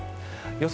予想